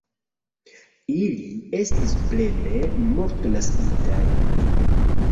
Ili estis plene mortnaskitaj.